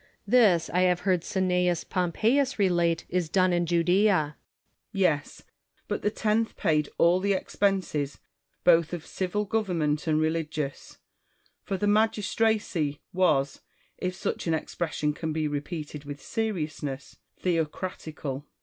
This, I have heard Cneius Pompeius relate, is done in Judsea. Marcus. Yes, but the tenth paid all the expenses both of civil government and religious; for the magistracy was (if such an expression can be repeated with seriousness) theocratical.